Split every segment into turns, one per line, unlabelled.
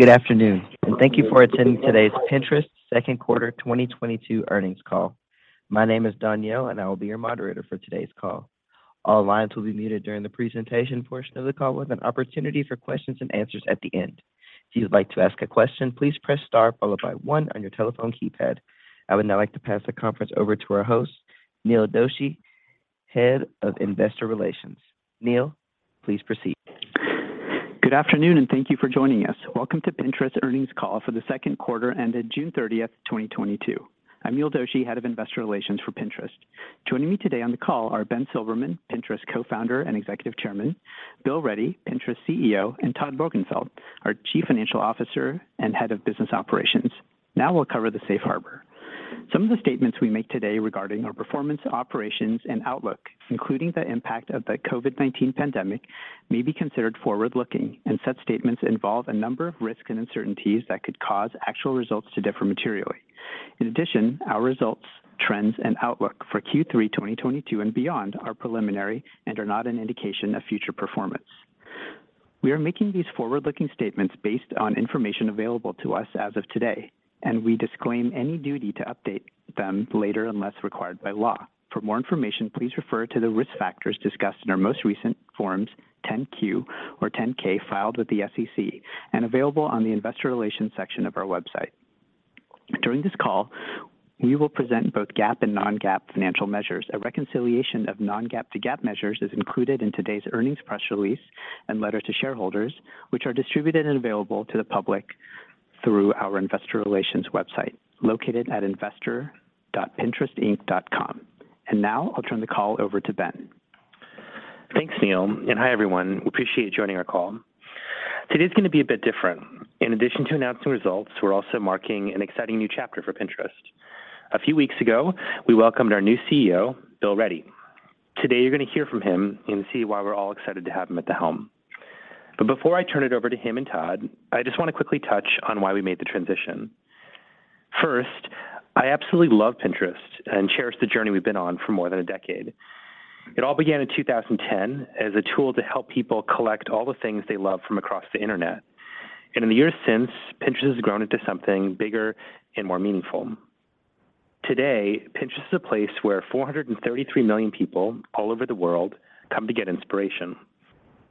Good afternoon, and thank you for attending today's Pinterest second quarter 2022 earnings call. My name is Donyell, and I will be your moderator for today's call. All lines will be muted during the presentation portion of the call with an opportunity for questions and answers at the end. If you would like to ask a question, please press star followed by one on your telephone keypad. I would now like to pass the conference over to our host, Neil Doshi, Head of Investor Relations. Neil, please proceed.
Good afternoon, and thank you for joining us. Welcome to Pinterest Earnings Call for the second quarter ended June 30, 2022. I'm Neil Doshi, Head of Investor Relations for Pinterest. Joining me today on the call are Ben Silbermann, Pinterest Co-founder and Executive Chairman, Bill Ready, Pinterest CEO, and Todd Morgenfeld, our Chief Financial Officer and Head of Business Operations. Now we'll cover the Safe Harbor. Some of the statements we make today regarding our performance, operations, and outlook, including the impact of the COVID-19 pandemic, may be considered forward-looking, and such statements involve a number of risks and uncertainties that could cause actual results to differ materially. In addition, our results, trends, and outlook for Q3 2022 and beyond are preliminary and are not an indication of future performance. We are making these forward-looking statements based on information available to us as of today, and we disclaim any duty to update them later unless required by law. For more information, please refer to the risk factors discussed in our most recent Form 10-Q or Form 10-K filed with the SEC and available on the Investor Relations section of our website. During this call, we will present both GAAP and non-GAAP financial measures. A reconciliation of non-GAAP to GAAP measures is included in today's earnings press release and letter to shareholders, which are distributed and available to the public through our Investor Relations website located at investor.pinterest.com. Now I'll turn the call over to Ben.
Thanks, Neil, and hi, everyone. We appreciate you joining our call. Today's gonna be a bit different. In addition to announcing results, we're also marking an exciting new chapter for Pinterest. A few weeks ago, we welcomed our new CEO, Bill Ready. Today you're gonna hear from him and see why we're all excited to have him at the helm. But before I turn it over to him and Todd, I just want to quickly touch on why we made the transition. First, I absolutely love Pinterest and cherish the journey we've been on for more than a decade. It all began in 2010 as a tool to help people collect all the things they love from across the internet. In the years since, Pinterest has grown into something bigger and more meaningful. Today, Pinterest is a place where 433 million people all over the world come to get inspiration,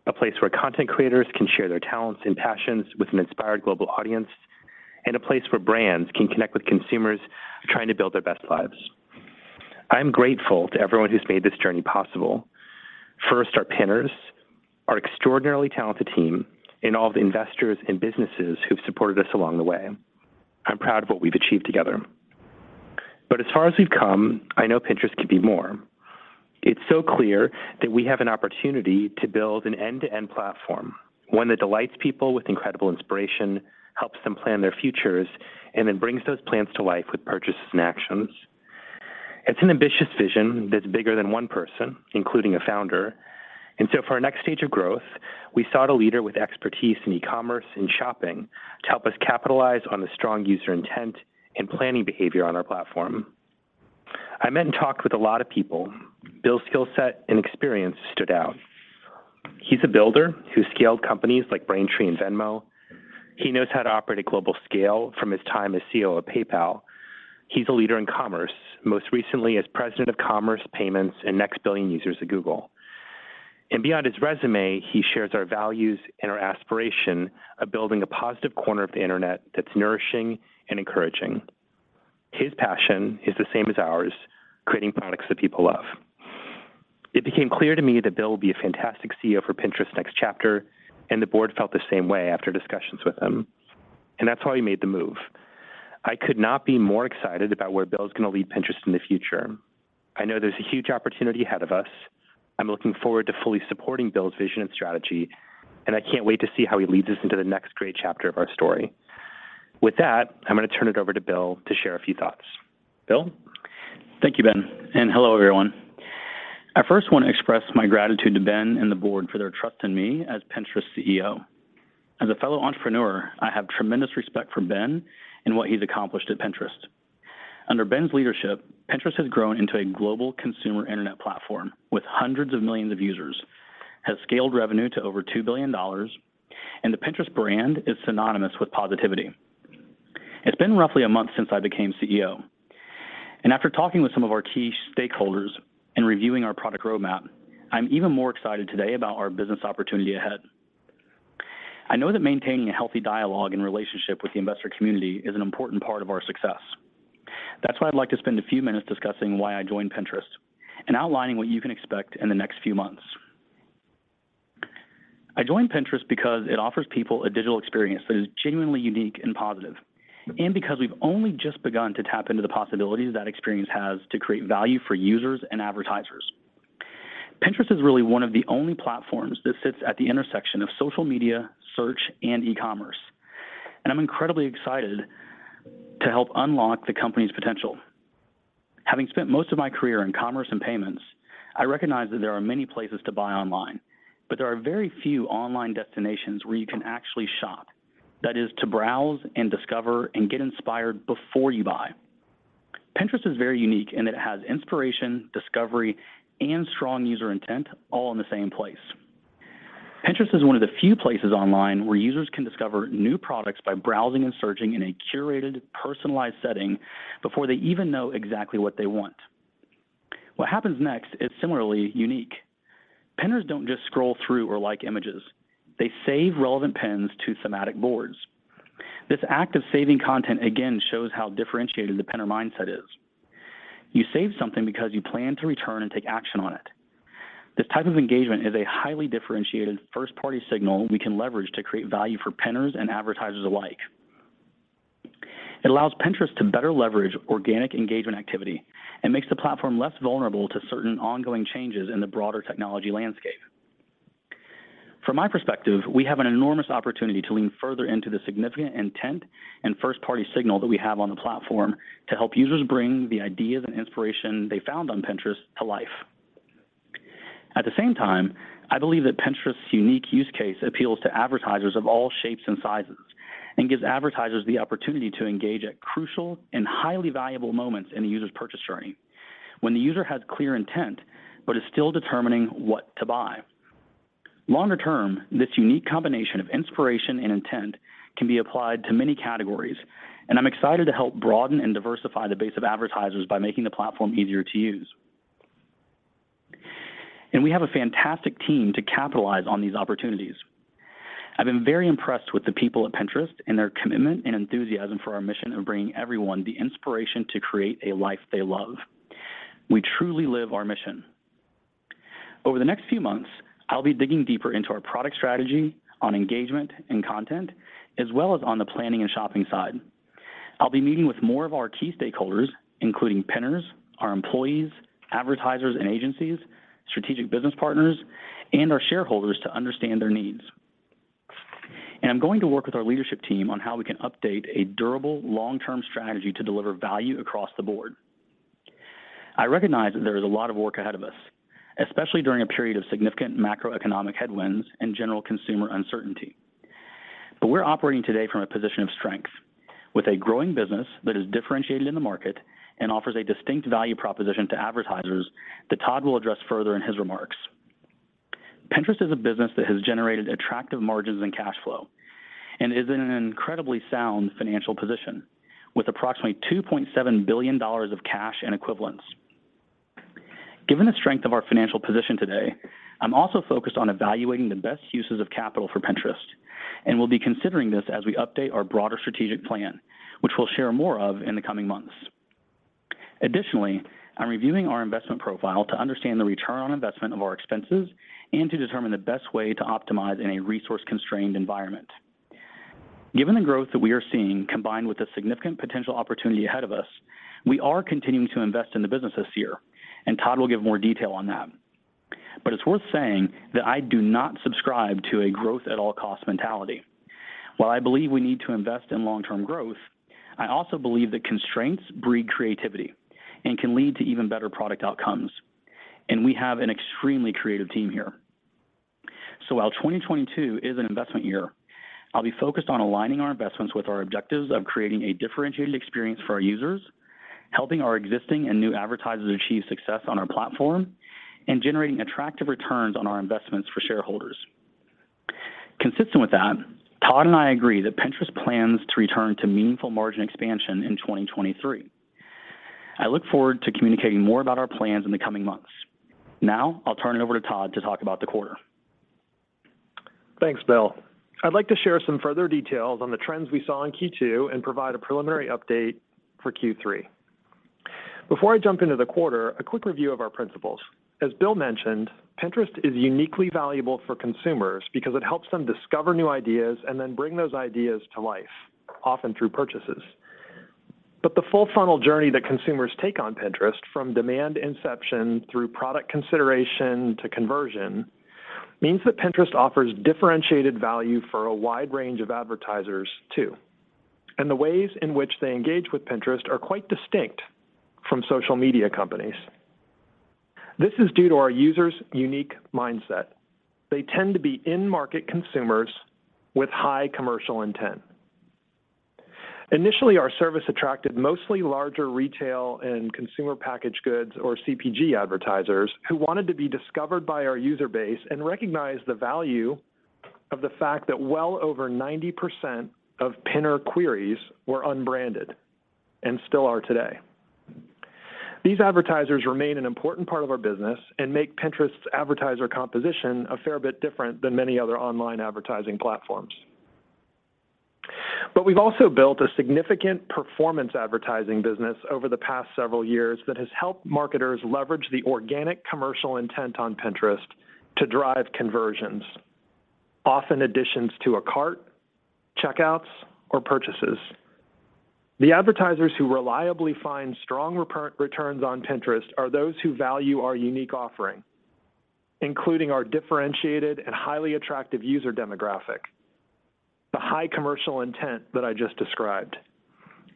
a place where content creators can share their talents and passions with an inspired global audience, and a place where brands can connect with consumers trying to build their best lives. I am grateful to everyone who's made this journey possible. First, our Pinners, our extraordinarily talented team, and all the investors and businesses who've supported us along the way. I'm proud of what we've achieved together. As far as we've come, I know Pinterest can be more. It's so clear that we have an opportunity to build an end-to-end platform, one that delights people with incredible inspiration, helps them plan their futures, and then brings those plans to life with purchases and actions. It's an ambitious vision that's bigger than one person, including a founder. For our next stage of growth, we sought a leader with expertise in e-commerce and shopping to help us capitalize on the strong user intent and planning behavior on our platform. I met and talked with a lot of people. Bill's skill set and experience stood out. He's a builder who scaled companies like Braintree and Venmo. He knows how to operate at global scale from his time as CEO of PayPal. He's a leader in commerce, most recently as President of Commerce, Payments, and Next Billion Users at Google. Beyond his resume, he shares our values and our aspiration of building a positive corner of the internet that's nourishing and encouraging. His passion is the same as ours, creating products that people love. It became clear to me that Bill would be a fantastic CEO for Pinterest's next chapter, and the board felt the same way after discussions with him, and that's why we made the move. I could not be more excited about where Bill's gonna lead Pinterest in the future. I know there's a huge opportunity ahead of us. I'm looking forward to fully supporting Bill's vision and strategy, and I can't wait to see how he leads us into the next great chapter of our story. With that, I'm gonna turn it over to Bill to share a few thoughts. Bill?
Thank you, Ben, and hello, everyone. I first want to express my gratitude to Ben and the board for their trust in me as Pinterest's CEO. As a fellow entrepreneur, I have tremendous respect for Ben and what he's accomplished at Pinterest. Under Ben's leadership, Pinterest has grown into a global consumer internet platform with hundreds of millions of users, has scaled revenue to over $2 billion, and the Pinterest brand is synonymous with positivity. It's been roughly a month since I became CEO, and after talking with some of our key stakeholders and reviewing our product roadmap, I'm even more excited today about our business opportunity ahead. I know that maintaining a healthy dialogue and relationship with the investor community is an important part of our success. That's why I'd like to spend a few minutes discussing why I joined Pinterest and outlining what you can expect in the next few months. I joined Pinterest because it offers people a digital experience that is genuinely unique and positive, and because we've only just begun to tap into the possibilities that experience has to create value for users and advertisers. Pinterest is really one of the only platforms that sits at the intersection of social media, search, and e-commerce, and I'm incredibly excited to help unlock the company's potential. Having spent most of my career in commerce and payments, I recognize that there are many places to buy online, but there are very few online destinations where you can actually shop. That is, to browse and discover and get inspired before you buy. Pinterest is very unique, and it has inspiration, discovery, and strong user intent all in the same place. Pinterest is one of the few places online where users can discover new products by browsing and searching in a curated, personalized setting before they even know exactly what they want. What happens next is similarly unique. Pinners don't just scroll through or like images. They save relevant pins to thematic boards. This act of saving content again shows how differentiated the Pinner mindset is. You save something because you plan to return and take action on it. This type of engagement is a highly differentiated first-party signal we can leverage to create value for Pinners and advertisers alike. It allows Pinterest to better leverage organic engagement activity and makes the platform less vulnerable to certain ongoing changes in the broader technology landscape. From my perspective, we have an enormous opportunity to lean further into the significant intent and first-party signal that we have on the platform to help users bring the ideas and inspiration they found on Pinterest to life. At the same time, I believe that Pinterest's unique use case appeals to advertisers of all shapes and sizes and gives advertisers the opportunity to engage at crucial and highly valuable moments in a user's purchase journey when the user has clear intent but is still determining what to buy. Longer term, this unique combination of inspiration and intent can be applied to many categories, and I'm excited to help broaden and diversify the base of advertisers by making the platform easier to use. We have a fantastic team to capitalize on these opportunities. I've been very impressed with the people at Pinterest and their commitment and enthusiasm for our mission of bringing everyone the inspiration to create a life they love. We truly live our mission. Over the next few months, I'll be digging deeper into our product strategy on engagement and content, as well as on the planning and shopping side. I'll be meeting with more of our key stakeholders, including Pinners, our employees, advertisers and agencies, strategic business partners, and our shareholders to understand their needs. I'm going to work with our leadership team on how we can update a durable long-term strategy to deliver value across the board. I recognize that there is a lot of work ahead of us, especially during a period of significant macroeconomic headwinds and general consumer uncertainty. We're operating today from a position of strength with a growing business that is differentiated in the market and offers a distinct value proposition to advertisers that Todd will address further in his remarks. Pinterest is a business that has generated attractive margins and cash flow and is in an incredibly sound financial position with approximately $2.7 billion of cash and equivalents. Given the strength of our financial position today, I'm also focused on evaluating the best uses of capital for Pinterest and will be considering this as we update our broader strategic plan, which we'll share more of in the coming months. Additionally, I'm reviewing our investment profile to understand the return on investment of our expenses and to determine the best way to optimize in a resource-constrained environment. Given the growth that we are seeing, combined with the significant potential opportunity ahead of us, we are continuing to invest in the business this year, and Todd will give more detail on that. It's worth saying that I do not subscribe to a growth at all costs mentality. While I believe we need to invest in long-term growth, I also believe that constraints breed creativity and can lead to even better product outcomes, and we have an extremely creative team here. While 2022 is an investment year, I'll be focused on aligning our investments with our objectives of creating a differentiated experience for our users, helping our existing and new advertisers achieve success on our platform, and generating attractive returns on our investments for shareholders. Consistent with that, Todd and I agree that Pinterest plans to return to meaningful margin expansion in 2023. I look forward to communicating more about our plans in the coming months. Now I'll turn it over to Todd to talk about the quarter.
Thanks, Bill. I'd like to share some further details on the trends we saw in Q2 and provide a preliminary update for Q3. Before I jump into the quarter, a quick review of our principles. As Bill mentioned, Pinterest is uniquely valuable for consumers because it helps them discover new ideas and then bring those ideas to life, often through purchases. The full funnel journey that consumers take on Pinterest, from demand inception through product consideration to conversion, means that Pinterest offers differentiated value for a wide range of advertisers too, and the ways in which they engage with Pinterest are quite distinct from social media companies. This is due to our users' unique mindset. They tend to be in-market consumers with high commercial intent. Initially, our service attracted mostly larger retail and consumer packaged goods, or CPG, advertisers who wanted to be discovered by our user base and recognized the value of the fact that well over 90% of Pinner queries were unbranded and still are today. These advertisers remain an important part of our business and make Pinterest's advertiser composition a fair bit different than many other online advertising platforms. We've also built a significant performance advertising business over the past several years that has helped marketers leverage the organic commercial intent on Pinterest to drive conversions, often additions to a cart, checkouts, or purchases. The advertisers who reliably find strong returns on Pinterest are those who value our unique offering, including our differentiated and highly attractive user demographic, the high commercial intent that I just described,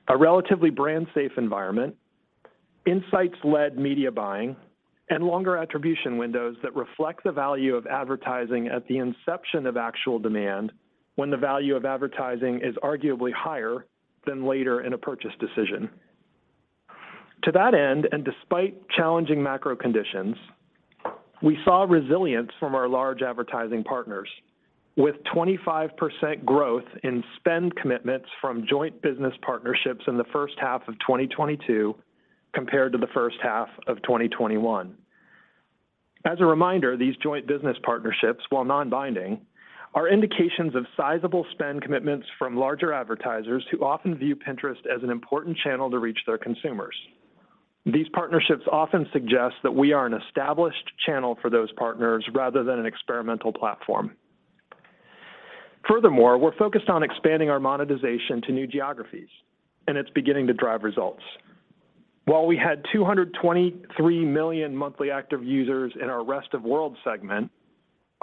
a relatively brand-safe environment, insights-led media buying and longer attribution windows that reflect the value of advertising at the inception of actual demand when the value of advertising is arguably higher than later in a purchase decision. To that end, and despite challenging macro conditions, we saw resilience from our large advertising partners with 25% growth in spend commitments from joint business partnerships in the first half of 2022 compared to the first half of 2021. As a reminder, these joint business partnerships, while non-binding, are indications of sizable spend commitments from larger advertisers who often view Pinterest as an important channel to reach their consumers. These partnerships often suggest that we are an established channel for those partners rather than an experimental platform. Furthermore, we're focused on expanding our monetization to new geographies, and it's beginning to drive results. While we had 223 million monthly active users in our rest of world segment,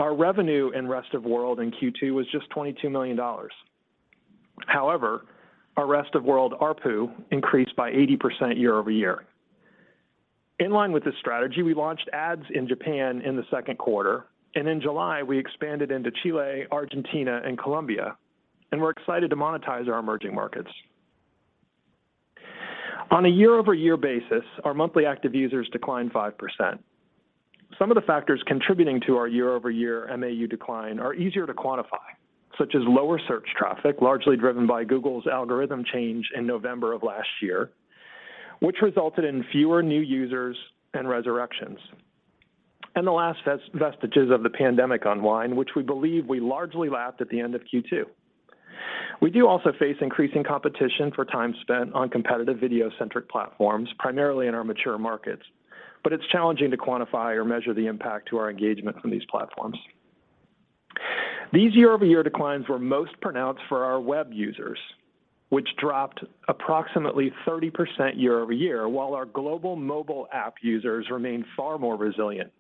our revenue in rest of world in Q2 was just $22 million. However, our rest of world ARPU increased by 80% year-over-year. In line with this strategy, we launched ads in Japan in the second quarter, and in July, we expanded into Chile, Argentina, and Colombia, and we're excited to monetize our emerging markets. On a year-over-year basis, our monthly active users declined 5%. Some of the factors contributing to our year-over-year MAU decline are easier to quantify, such as lower search traffic, largely driven by Google's algorithm change in November of last year, which resulted in fewer new users and resurrections, and the last vestiges of the pandemic unwind, which we believe we largely lapped at the end of Q2. We do also face increasing competition for time spent on competitive video-centric platforms, primarily in our mature markets. It's challenging to quantify or measure the impact to our engagement from these platforms. These year-over-year declines were most pronounced for our web users, which dropped approximately 30% year-over-year, while our global mobile app users remained far more resilient,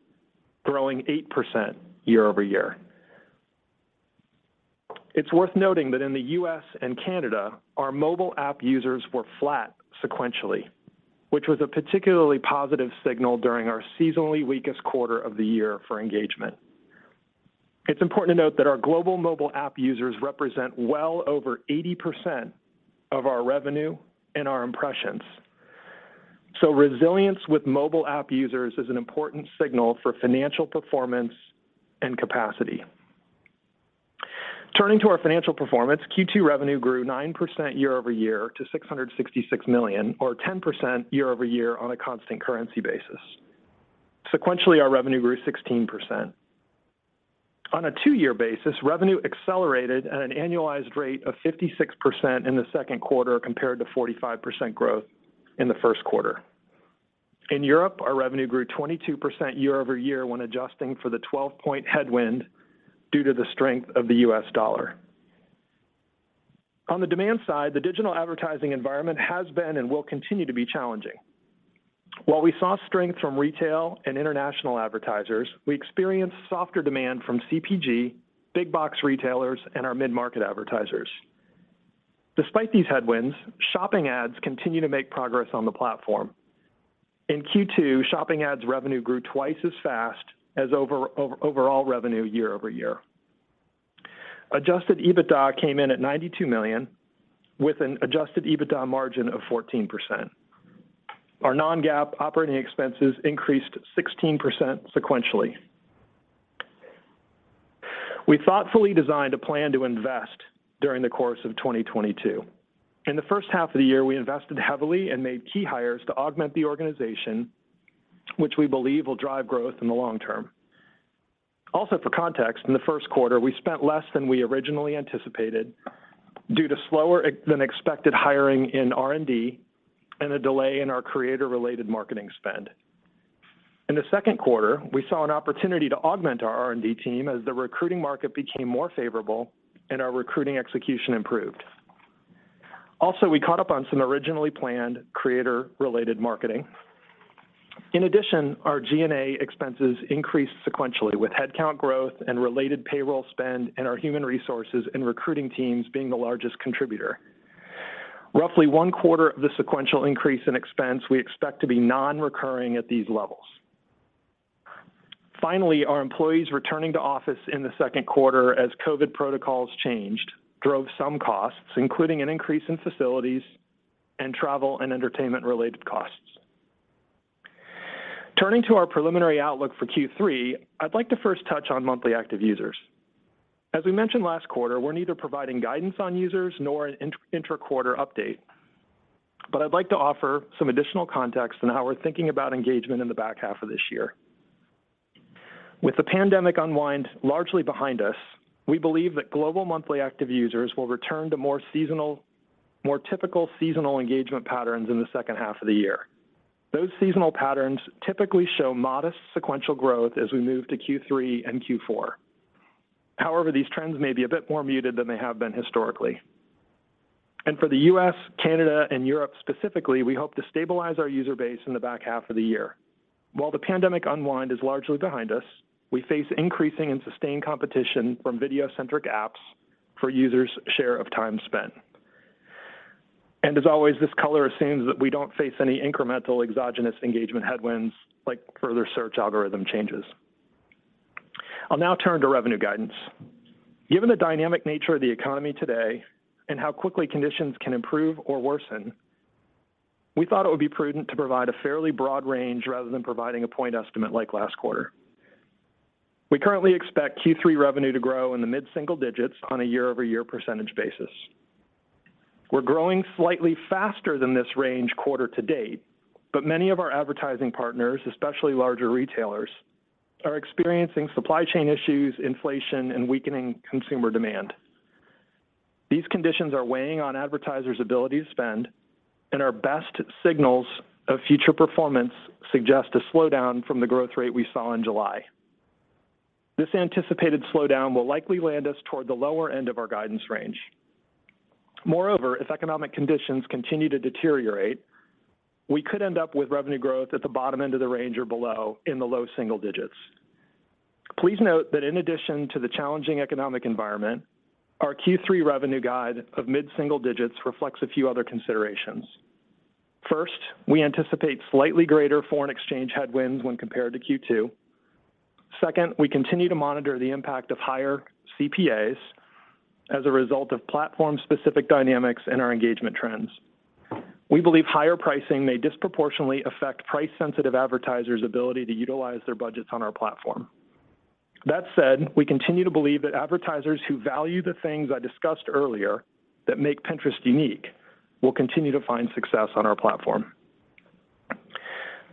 growing 8% year-over-year. It's worth noting that in the U.S. and Canada, our mobile app users were flat sequentially, which was a particularly positive signal during our seasonally weakest quarter of the year for engagement. It's important to note that our global mobile app users represent well over 80% of our revenue and our impressions. So resilience with mobile app users is an important signal for financial performance and capacity. Turning to our financial performance, Q2 revenue grew 9% year-over-year to $666 million or 10% year-over-year on a constant currency basis. Sequentially, our revenue grew 16%. On a two-year basis, revenue accelerated at an annualized rate of 56% in the second quarter compared to 45% growth in the first quarter. In Europe, our revenue grew 22% year-over-year when adjusting for the 12-point headwind due to the strength of the US dollar. On the demand side, the digital advertising environment has been and will continue to be challenging. While we saw strength from retail and international advertisers, we experienced softer demand from CPG, big box retailers, and our mid-market advertisers. Despite these headwinds, shopping ads continue to make progress on the platform. In Q2, shopping ads revenue grew twice as fast as overall revenue year-over-year. Adjusted EBITDA came in at $92 million with an adjusted EBITDA margin of 14%. Our non-GAAP operating expenses increased 16% sequentially. We thoughtfully designed a plan to invest during the course of 2022. In the first half of the year, we invested heavily and made key hires to augment the organization, which we believe will drive growth in the long term. Also, for context, in the first quarter, we spent less than we originally anticipated due to slower than expected hiring in R&D and a delay in our creator-related marketing spend. In the second quarter, we saw an opportunity to augment our R&D team as the recruiting market became more favorable and our recruiting execution improved. Also, we caught up on some originally planned creator-related marketing. In addition, our G&A expenses increased sequentially with headcount growth and related payroll spend and our human resources and recruiting teams being the largest contributor. Roughly one-quarter of the sequential increase in expense we expect to be non-recurring at these levels. Finally, our employees returning to office in the second quarter as COVID protocols changed drove some costs, including an increase in facilities and travel and entertainment related costs. Turning to our preliminary outlook for Q3, I'd like to first touch on monthly active users. As we mentioned last quarter, we're neither providing guidance on users nor an intra-quarter update, but I'd like to offer some additional context on how we're thinking about engagement in the back half of this year. With the pandemic unwind largely behind us, we believe that global monthly active users will return to more typical seasonal engagement patterns in the second half of the year. Those seasonal patterns typically show modest sequential growth as we move to Q3 and Q4. However, these trends may be a bit more muted than they have been historically. For the US, Canada, and Europe specifically, we hope to stabilize our user base in the back half of the year. While the pandemic unwind is largely behind us, we face increasing and sustained competition from video-centric apps for users' share of time spent. As always, this color assumes that we don't face any incremental exogenous engagement headwinds like further search algorithm changes. I'll now turn to revenue guidance. Given the dynamic nature of the economy today and how quickly conditions can improve or worsen, we thought it would be prudent to provide a fairly broad range rather than providing a point estimate like last quarter. We currently expect Q3 revenue to grow in the mid-single digits on a year-over-year percentage basis. We're growing slightly faster than this range quarter to date, but many of our advertising partners, especially larger retailers, are experiencing supply chain issues, inflation, and weakening consumer demand. These conditions are weighing on advertisers' ability to spend, and our best signals of future performance suggest a slowdown from the growth rate we saw in July. This anticipated slowdown will likely land us toward the lower end of our guidance range. Moreover, if economic conditions continue to deteriorate, we could end up with revenue growth at the bottom end of the range or below in the low single digits. Please note that in addition to the challenging economic environment, our Q3 revenue guide of mid-single digits reflects a few other considerations. First, we anticipate slightly greater foreign exchange headwinds when compared to Q2. Second, we continue to monitor the impact of higher CPAs as a result of platform-specific dynamics and our engagement trends. We believe higher pricing may disproportionately affect price-sensitive advertisers' ability to utilize their budgets on our platform. That said, we continue to believe that advertisers who value the things I discussed earlier that make Pinterest unique will continue to find success on our platform.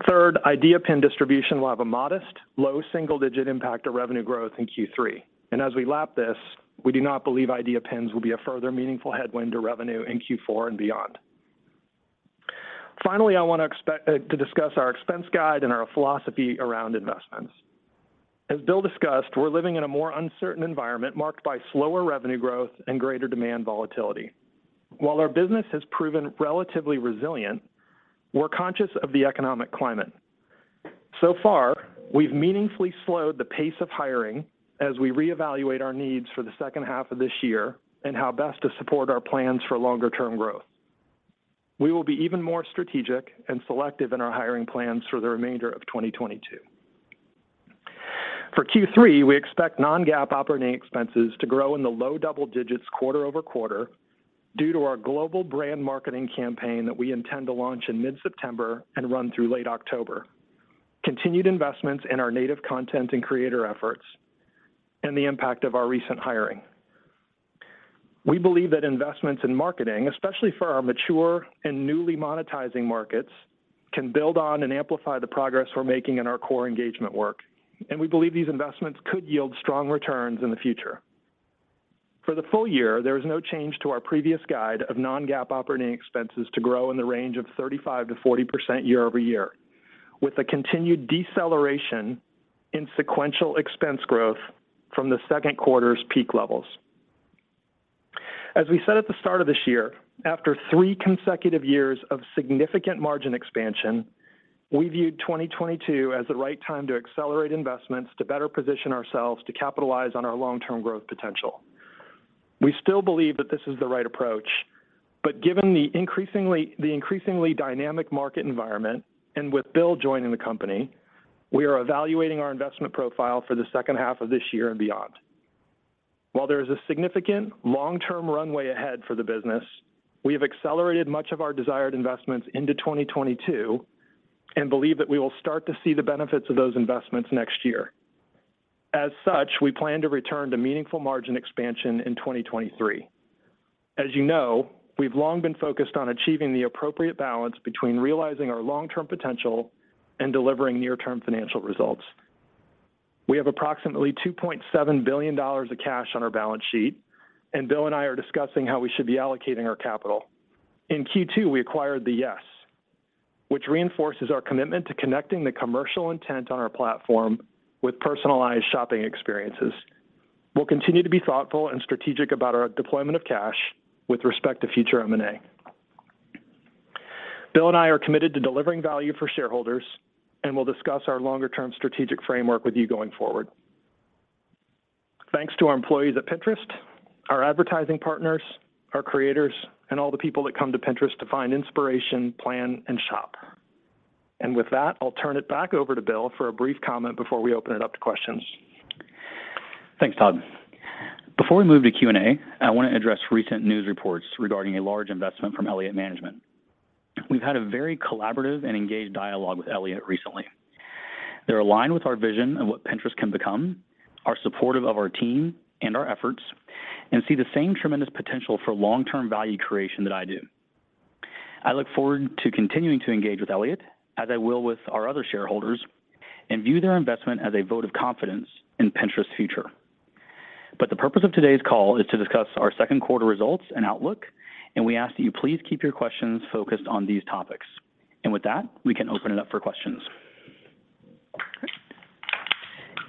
Third, Idea Pin distribution will have a modest low single-digit impact on revenue growth in Q3. As we lap this, we do not believe Idea Pins will be a further meaningful headwind to revenue in Q4 and beyond. Finally, I want to discuss our expense guide and our philosophy around investments. As Bill discussed, we're living in a more uncertain environment marked by slower revenue growth and greater demand volatility. While our business has proven relatively resilient, we're conscious of the economic climate. So far, we've meaningfully slowed the pace of hiring as we reevaluate our needs for the second half of this year and how best to support our plans for longer term growth. We will be even more strategic and selective in our hiring plans for the remainder of 2022. For Q3, we expect non-GAAP operating expenses to grow in the low double digits% quarter-over-quarter due to our global brand marketing campaign that we intend to launch in mid-September and run through late October, continued investments in our native content and creator efforts, and the impact of our recent hiring. We believe that investments in marketing, especially for our mature and newly monetizing markets, can build on and amplify the progress we're making in our core engagement work, and we believe these investments could yield strong returns in the future. For the full year, there is no change to our previous guide of non-GAAP operating expenses to grow in the range of 35%-40% year-over-year with a continued deceleration in sequential expense growth from the second quarter's peak levels. As we said at the start of this year, after three consecutive years of significant margin expansion, we viewed 2022 as the right time to accelerate investments to better position ourselves to capitalize on our long-term growth potential. We still believe that this is the right approach, but given the increasingly dynamic market environment, and with Bill joining the company, we are evaluating our investment profile for the second half of this year and beyond. While there is a significant long-term runway ahead for the business, we have accelerated much of our desired investments into 2022 and believe that we will start to see the benefits of those investments next year. As such, we plan to return to meaningful margin expansion in 2023. As you know, we've long been focused on achieving the appropriate balance between realizing our long-term potential and delivering near-term financial results. We have approximately $2.7 billion of cash on our balance sheet, and Bill and I are discussing how we should be allocating our capital. In Q2, we acquired The Yes, which reinforces our commitment to connecting the commercial intent on our platform with personalized shopping experiences. We'll continue to be thoughtful and strategic about our deployment of cash with respect to future M&A. Bill and I are committed to delivering value for shareholders, and we'll discuss our longer term strategic framework with you going forward. Thanks to our employees at Pinterest, our advertising partners, our creators, and all the people that come to Pinterest to find inspiration, plan, and shop. With that, I'll turn it back over to Bill for a brief comment before we open it up to questions.
Thanks, Todd. Before we move to Q&A, I want to address recent news reports regarding a large investment from Elliott Management. We've had a very collaborative and engaged dialogue with Elliott recently. They're aligned with our vision of what Pinterest can become, are supportive of our team and our efforts, and see the same tremendous potential for long-term value creation that I do. I look forward to continuing to engage with Elliott, as I will with our other shareholders, and view their investment as a vote of confidence in Pinterest's future. But the purpose of today's call is to discuss our second quarter results and outlook, and we ask that you please keep your questions focused on these topics. With that, we can open it up for questions.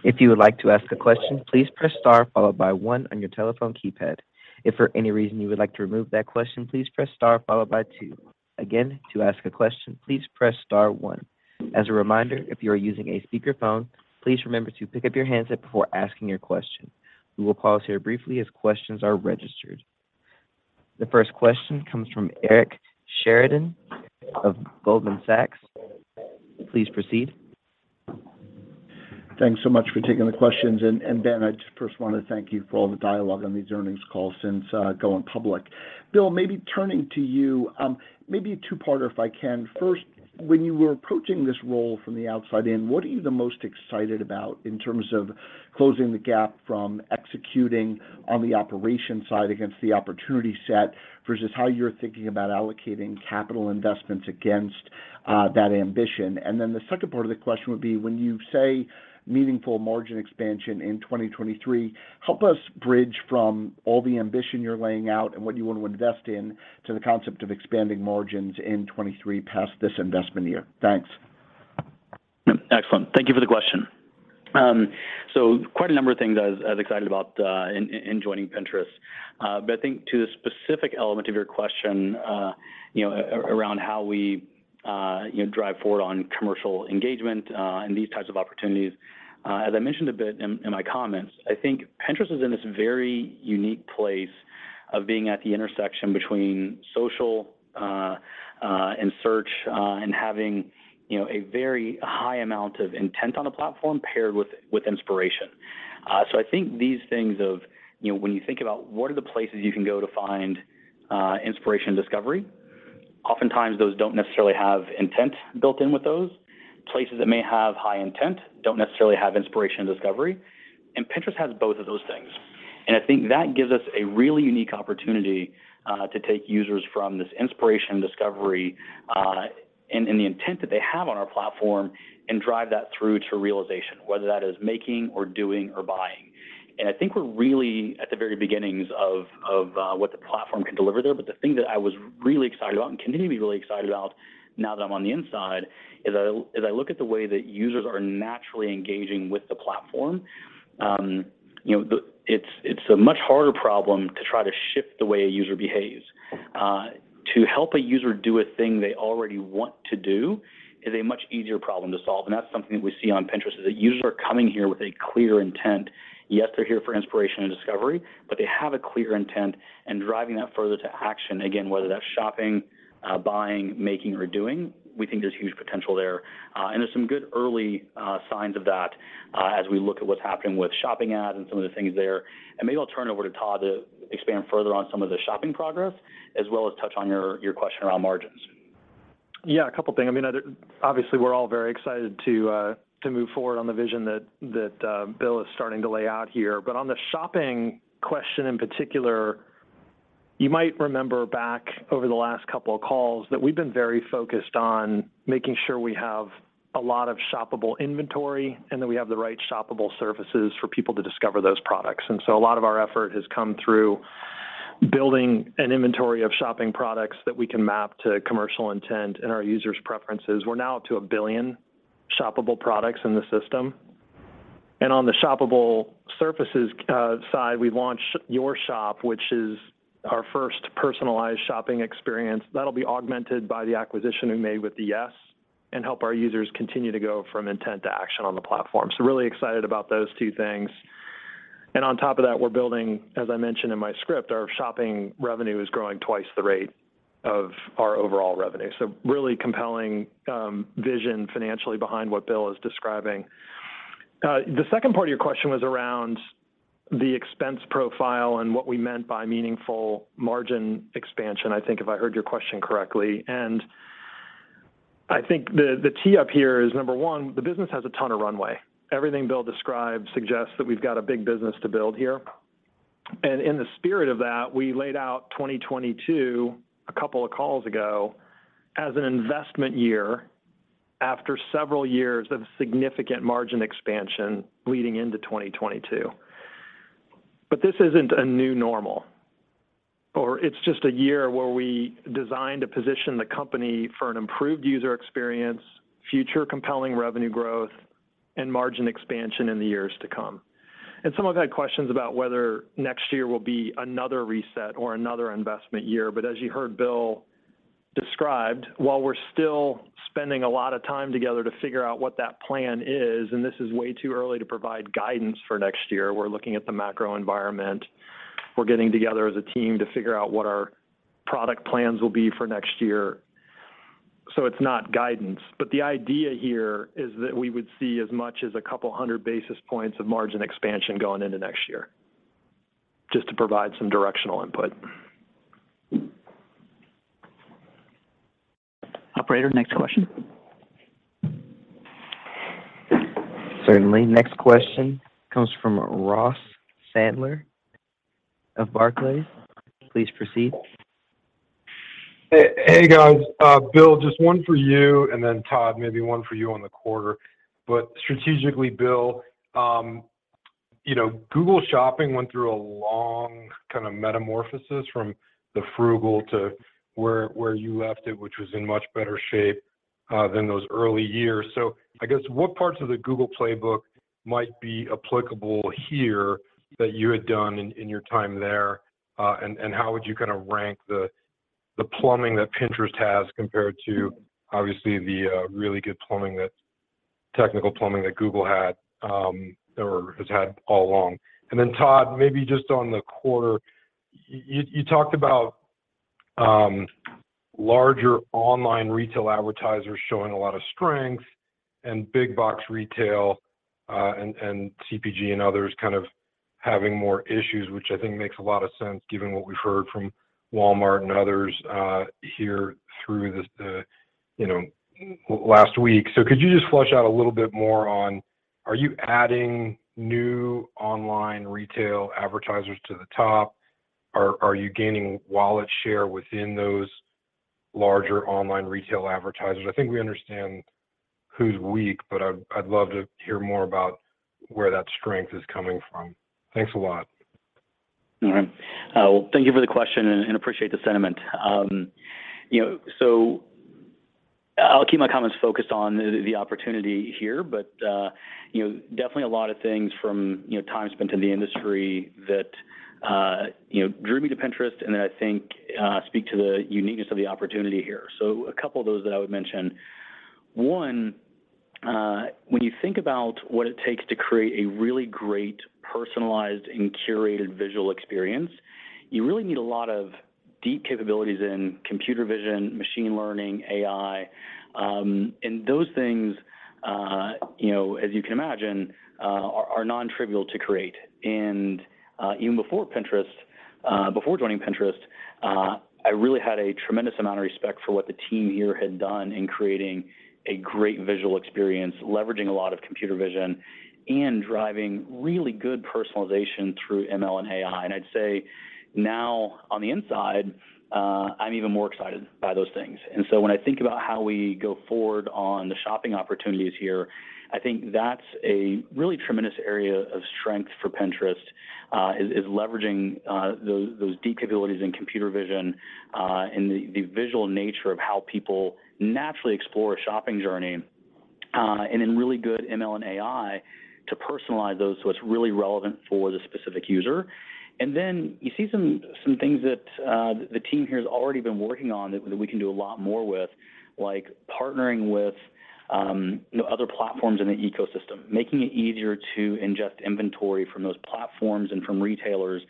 If you would like to ask a question, please press star followed by one on your telephone keypad. If for any reason you would like to remove that question, please press star followed by two. Again, to ask a question, please press star one. As a reminder, if you are using a speakerphone, please remember to pick up your handset before asking your question. We will pause here briefly as questions are registered. The first question comes from Eric Sheridan of Goldman Sachs. Please proceed.
Thanks so much for taking the questions. Ben, I just first want to thank you for all the dialogue on these earnings calls since going public. Bill, maybe turning to you, maybe a two-parter if I can. First, when you were approaching this role from the outside in, what are you the most excited about in terms of closing the gap from executing on the operations side against the opportunity set versus how you're thinking about allocating capital investments against that ambition? Then the second part of the question would be, when you say meaningful margin expansion in 2023, help us bridge from all the ambition you're laying out and what you want to invest in to the concept of expanding margins in 2023 past this investment year. Thanks.
Excellent. Thank you for the question. Quite a number of things I was excited about in joining Pinterest. I think to the specific element of your question, you know, around how we, you know, drive forward on commercial engagement and these types of opportunities, as I mentioned a bit in my comments, I think Pinterest is in this very unique place of being at the intersection between social and search and having, you know, a very high amount of intent on a platform paired with inspiration. I think these things of, you know, when you think about what are the places you can go to find inspiration and discovery, oftentimes those don't necessarily have intent built in with those. Places that may have high intent don't necessarily have inspiration and discovery. Pinterest has both of those things. I think that gives us a really unique opportunity to take users from this inspiration and discovery and the intent that they have on our platform and drive that through to realization, whether that is making or doing or buying. I think we're really at the very beginnings of what the platform can deliver there. The thing that I was really excited about and continue to be really excited about now that I'm on the inside is, as I look at the way that users are naturally engaging with the platform, you know, it's a much harder problem to try to shift the way a user behaves. To help a user do a thing they already want to do is a much easier problem to solve, and that's something that we see on Pinterest, is that users are coming here with a clear intent. Yes, they're here for inspiration and discovery, but they have a clear intent, and driving that further to action, again, whether that's shopping, buying, making or doing, we think there's huge potential there. There's some good early signs of that, as we look at what's happening with shopping ads and some of the things there. Maybe I'll turn it over to Todd to expand further on some of the shopping progress as well as touch on your question around margins.
Yeah, a couple things. I mean, obviously, we're all very excited to move forward on the vision that Bill is starting to lay out here. On the shopping question in particular, you might remember back over the last couple of calls that we've been very focused on making sure we have a lot of shoppable inventory and that we have the right shoppable surfaces for people to discover those products. A lot of our effort has come through building an inventory of shopping products that we can map to commercial intent and our users' preferences. We're now up to 1 billion shoppable products in the system. On the shoppable surfaces side, we've launched Your Shop, which is our first personalized shopping experience. That'll be augmented by the acquisition we made with The Yes, and help our users continue to go from intent to action on the platform. Really excited about those two things. On top of that, we're building, as I mentioned in my script, our shopping revenue is growing twice the rate of our overall revenue. Really compelling vision financially behind what Bill is describing. The second part of your question was around the expense profile and what we meant by meaningful margin expansion, I think if I heard your question correctly. I think the tee up here is, number one, the business has a ton of runway. Everything Bill described suggests that we've got a big business to build here. In the spirit of that, we laid out 2022 a couple of calls ago as an investment year after several years of significant margin expansion leading into 2022. This isn't a new normal, or it's just a year where we designed to position the company for an improved user experience, future compelling revenue growth, and margin expansion in the years to come. Some have had questions about whether next year will be another reset or another investment year. As you heard Bill described, while we're still spending a lot of time together to figure out what that plan is, and this is way too early to provide guidance for next year, we're looking at the macro environment, we're getting together as a team to figure out what our product plans will be for next year. It's not guidance, but the idea here is that we would see as much as 200 basis points of margin expansion going into next year, just to provide some directional input.
Operator, next question.
Certainly. Next question comes from Ross Sandler of Barclays. Please proceed.
Hey, guys. Bill, just one for you, and then Todd, maybe one for you on the quarter. Strategically, Bill, you know, Google Shopping went through a long kind of metamorphosis from the Froogle to where you left it, which was in much better shape than those early years. I guess what parts of the Google playbook might be applicable here that you had done in your time there? And how would you kind of rank the plumbing that Pinterest has compared to obviously the really good plumbing that Technical plumbing that Google had, or has had all along. Then Todd, maybe just on the quarter, you talked about larger online retail advertisers showing a lot of strength and big box retail, and CPG and others kind of having more issues, which I think makes a lot of sense given what we've heard from Walmart and others, here through this, the last week. Could you just flesh out a little bit more on, are you adding new online retail advertisers to the top? Are you gaining wallet share within those larger online retail advertisers? I think we understand who's weak, but I'd love to hear more about where that strength is coming from. Thanks a lot.
All right. Well, thank you for the question and appreciate the sentiment. You know, I'll keep my comments focused on the opportunity here, but you know, definitely a lot of things from you know, time spent in the industry that you know, drew me to Pinterest and that I think speak to the uniqueness of the opportunity here. A couple of those that I would mention. One, when you think about what it takes to create a really great personalized and curated visual experience, you really need a lot of deep capabilities in computer vision, machine learning, AI, and those things, you know, as you can imagine, are non-trivial to create. Even before Pinterest, before joining Pinterest, I really had a tremendous amount of respect for what the team here had done in creating a great visual experience, leveraging a lot of computer vision and driving really good personalization through ML and AI. I'd say now on the inside, I'm even more excited by those things. When I think about how we go forward on the shopping opportunities here, I think that's a really tremendous area of strength for Pinterest is leveraging those deep capabilities in computer vision, and the visual nature of how people naturally explore a shopping journey, and in really good ML and AI to personalize those so it's really relevant for the specific user. You see some things that the team here has already been working on that we can do a lot more with, like partnering with, you know, other platforms in the ecosystem, making it easier to ingest inventory from those platforms and from retailers,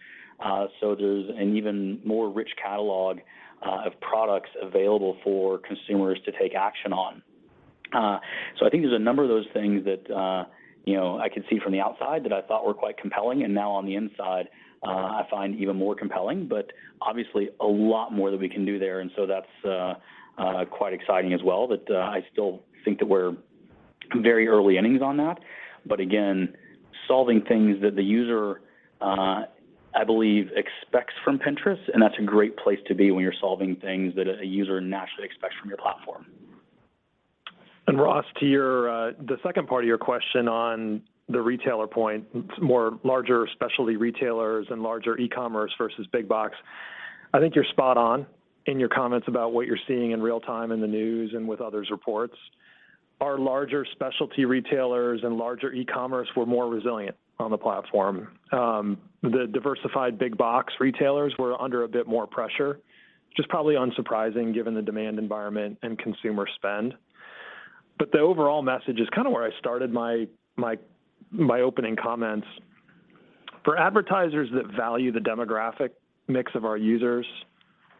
so there's an even more rich catalog of products available for consumers to take action on. I think there's a number of those things that, you know, I could see from the outside that I thought were quite compelling, and now on the inside, I find even more compelling, but obviously a lot more that we can do there. That's quite exciting as well that I still think that we're very early innings on that. Again, solving things that the user, I believe expects from Pinterest, and that's a great place to be when you're solving things that a user naturally expects from your platform.
Ross, to your, the second part of your question on the retailer point, more larger specialty retailers and larger e-commerce versus big box. I think you're spot on in your comments about what you're seeing in real time in the news and with others' reports. Our larger specialty retailers and larger e-commerce were more resilient on the platform. The diversified big box retailers were under a bit more pressure, which is probably unsurprising given the demand environment and consumer spend. The overall message is kind of where I started my opening comments. For advertisers that value the demographic mix of our users,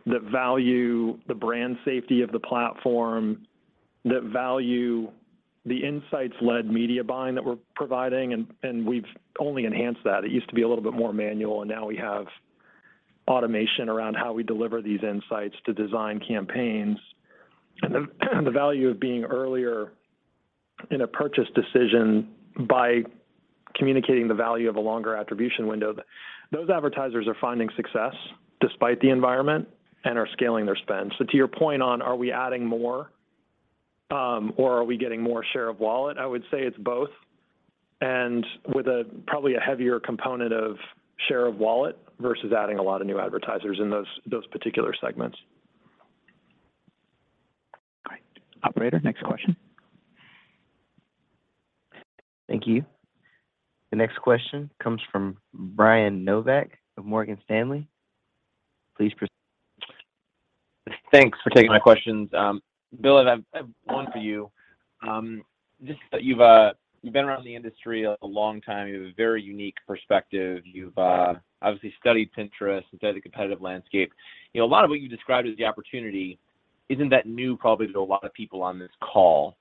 that value the brand safety of the platform, that value the insights-led media buying that we're providing, and we've only enhanced that. It used to be a little bit more manual, and now we have automation around how we deliver these insights to design campaigns. The value of being earlier in a purchase decision by communicating the value of a longer attribution window, those advertisers are finding success despite the environment and are scaling their spend. To your point on are we adding more, or are we getting more share of wallet, I would say it's both, and with probably a heavier component of share of wallet versus adding a lot of new advertisers in those particular segments.
All right. Operator, next question.
Thank you. The next question comes from Brian Nowak of Morgan Stanley. Please proceed.
Thanks for taking my questions. Bill, I have one for you. Just that you've been around the industry a long time. You have a very unique perspective. You've obviously studied Pinterest and studied the competitive landscape. You know, a lot of what you described as the opportunity isn't that new probably to a lot of people on this call.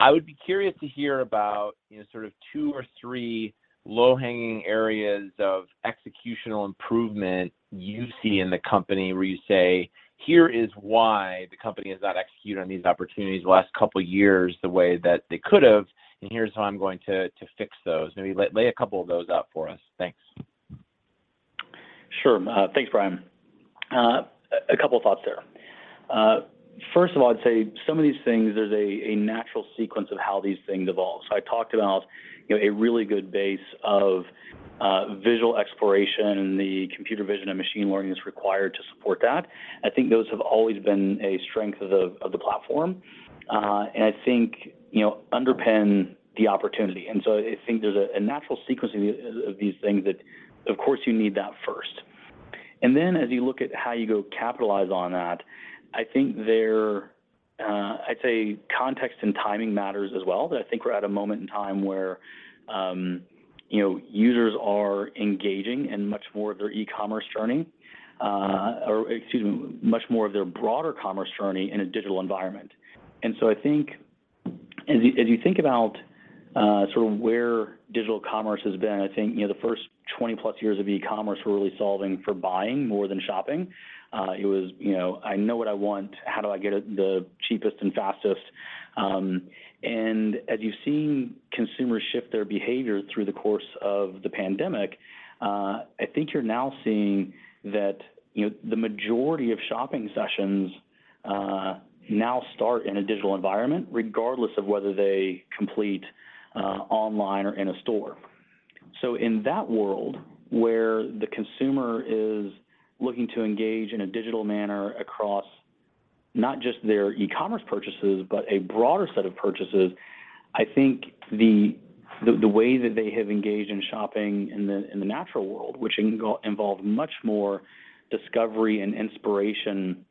I would be curious to hear about, you know, sort of two or three low-hanging areas of executional improvement you see in the company where you say, "Here is why the company has not executed on these opportunities the last couple years the way that they could have, and here's how I'm going to fix those." Maybe lay a couple of those out for us. Thanks.
Sure. Thanks, Brian Nowak. A couple of thoughts there. First of all, I'd say some of these things, there's a natural sequence of how these things evolve. I talked about, you know, a really good base of visual exploration, the computer vision and machine learning that's required to support that. I think those have always been a strength of the platform, and I think, you know, underpin the opportunity. I think there's a natural sequence of these things that, of course, you need that first. As you look at how you go capitalize on that, I think there, I'd say context and timing matters as well. I think we're at a moment in time where, you know, users are engaging in much more of their e-commerce journey, or excuse me, much more of their broader commerce journey in a digital environment. I think as you think about, sort of where digital commerce has been, I think, you know, the first 20-plus years of e-commerce were really solving for buying more than shopping. It was, you know, "I know what I want. How do I get it the cheapest and fastest?" and as you've seen consumers shift their behavior through the course of the pandemic, I think you're now seeing that, you know, the majority of shopping sessions now start in a digital environment regardless of whether they complete online or in a store. In that world where the consumer is looking to engage in a digital manner across not just their e-commerce purchases, but a broader set of purchases, I think the way that they have engaged in shopping in the natural world, which can involve much more discovery and inspiration,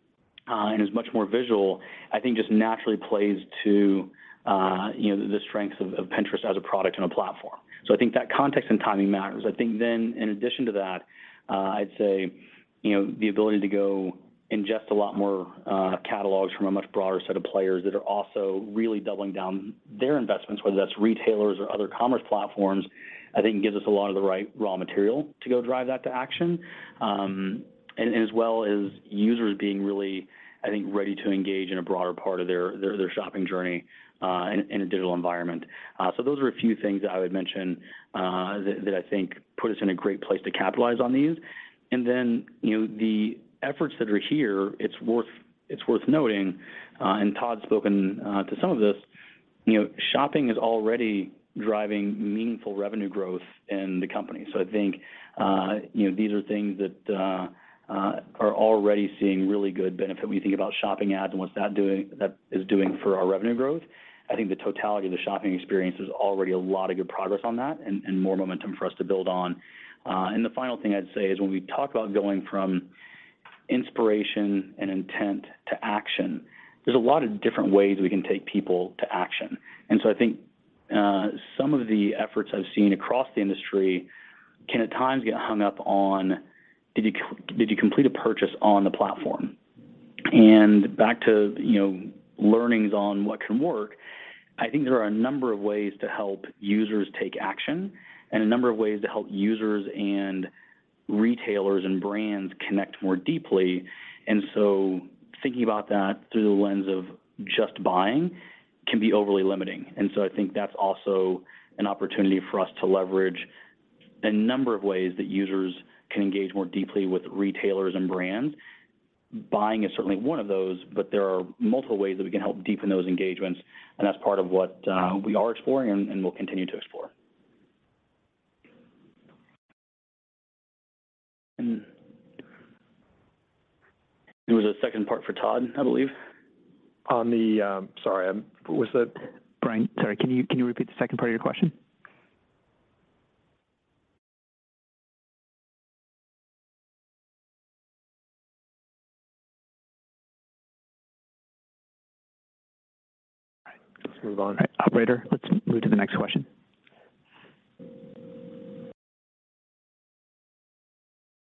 and is much more visual, I think just naturally plays to, you know, the strengths of Pinterest as a product and a platform. I think that context and timing matters. I think in addition to that, I'd say, you know, the ability to go ingest a lot more catalogs from a much broader set of players that are also really doubling down their investments, whether that's retailers or other commerce platforms, I think gives us a lot of the right raw material to go drive that to action. As well as users being really, I think, ready to engage in a broader part of their shopping journey in a digital environment. Those are a few things that I would mention that I think put us in a great place to capitalize on these. Then, you know, the efforts that are here, it's worth noting and Todd's spoken to some of this, you know, shopping is already driving meaningful revenue growth in the company. I think you know, these are things that are already seeing really good benefit when you think about shopping ads and what that's doing for our revenue growth. I think the totality of the shopping experience is already a lot of good progress on that and more momentum for us to build on. The final thing I'd say is when we talk about going from inspiration and intent to action, there's a lot of different ways we can take people to action. I think some of the efforts I've seen across the industry can at times get hung up on, did you complete a purchase on the platform? Back to, you know, learnings on what can work, I think there are a number of ways to help users take action and a number of ways to help users and retailers and brands connect more deeply. Thinking about that through the lens of just buying can be overly limiting. I think that's also an opportunity for us to leverage a number of ways that users can engage more deeply with retailers and brands. Buying is certainly one of those, but there are multiple ways that we can help deepen those engagements, and that's part of what we are exploring and will continue to explore.
There was a second part for Todd, I believe.
Sorry, what was the
Brian, sorry, can you repeat the second part of your question? All right. Let's move on. All right, operator, let's move to the next question.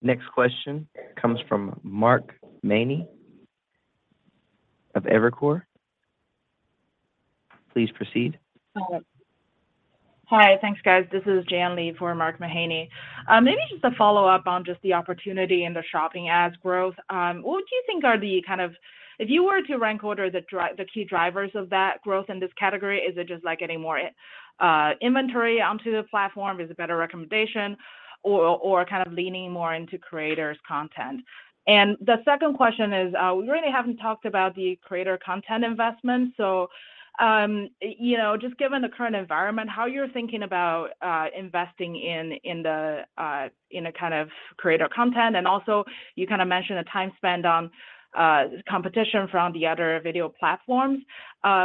Next question comes from Mark Mahaney of Evercore. Please proceed.
Hi. Thanks, guys. This is Jan Lee for Mark Mahaney. Maybe just a follow-up on just the opportunity in the shopping ads growth. What would you think are the kind of If you were to rank order the key drivers of that growth in this category, is it just, like, getting more inventory onto the platform? Is it better recommendation or kind of leaning more into creators' content? The second question is, we really haven't talked about the creator content investment. You know, just given the current environment, how you're thinking about investing in a kind of creator content and also you kind of mentioned the time spent on competition from the other video platforms.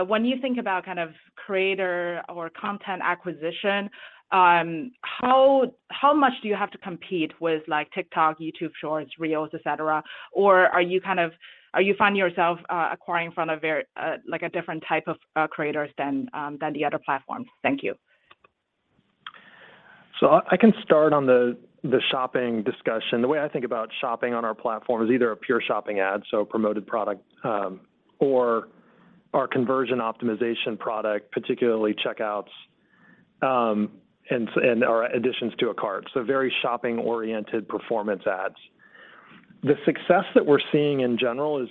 When you think about kind of creator or content acquisition, how much do you have to compete with, like, TikTok, YouTube Shorts, Reels, et cetera? Or are you finding yourself acquiring from a very, like, a different type of creators than the other platforms? Thank you.
I can start on the shopping discussion. The way I think about shopping on our platform is either a pure shopping ad, so promoted product, or our conversion optimization product, particularly checkouts, and/or additions to a cart, so very shopping-oriented performance ads. The success that we're seeing in general is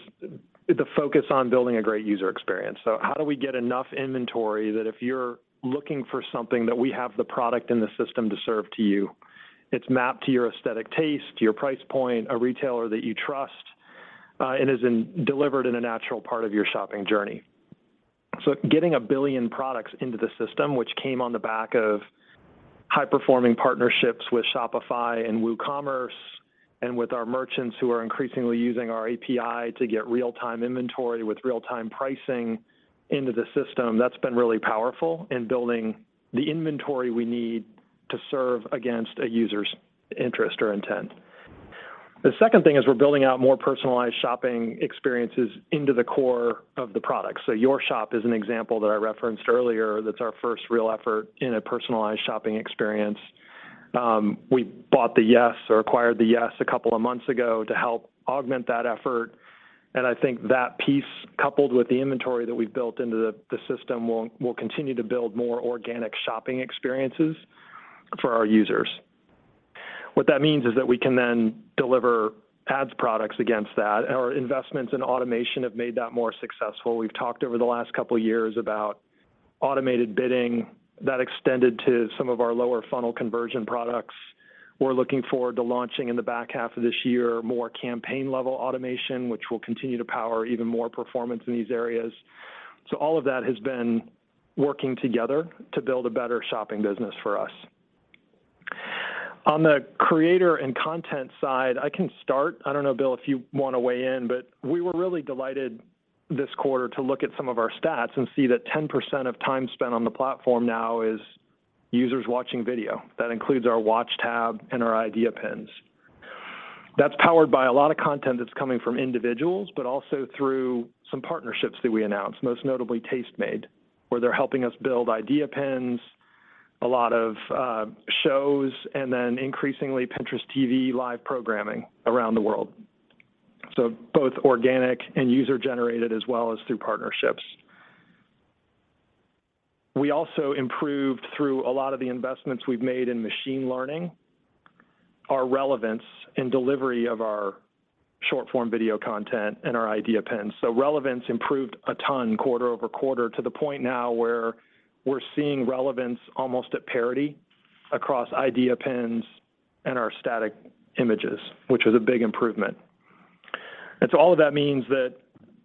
the focus on building a great user experience. How do we get enough inventory that if you're looking for something that we have the product in the system to serve to you? It's mapped to your aesthetic taste, to your price point, a retailer that you trust, and is delivered in a natural part of your shopping journey. Getting 1 billion products into the system, which came on the back of high-performing partnerships with Shopify and WooCommerce and with our merchants who are increasingly using our API to get real-time inventory with real-time pricing into the system, that's been really powerful in building the inventory we need to serve against a user's interest or intent. The second thing is we're building out more personalized shopping experiences into the core of the product. Your Shop is an example that I referenced earlier. That's our first real effort in a personalized shopping experience. We bought The Yes or acquired The Yes a couple of months ago to help augment that effort, and I think that piece, coupled with the inventory that we've built into the system will continue to build more organic shopping experiences for our users. What that means is that we can then deliver ads products against that. Our investments in automation have made that more successful. We've talked over the last couple years about automated bidding that extended to some of our lower funnel conversion products. We're looking forward to launching in the back half of this year more campaign-level automation, which will continue to power even more performance in these areas. All of that has been working together to build a better shopping business for us. On the creator and content side, I can start. I don't know, Bill, if you want to weigh in, but we were really delighted this quarter to look at some of our stats and see that 10% of time spent on the platform now is users watching video. That includes our Watch tab and our Idea Pins. That's powered by a lot of content that's coming from individuals, but also through some partnerships that we announced, most notably Tastemade, where they're helping us build Idea Pins, a lot of shows, and then increasingly, Pinterest TV live programming around the world, so both organic and user-generated as well as through partnerships. We also improved through a lot of the investments we've made in machine learning, our relevance and delivery of our short-form video content and our Idea Pins. Relevance improved a ton quarter-over-quarter to the point now where we're seeing relevance almost at parity across Idea Pins and our static images, which was a big improvement. All of that means that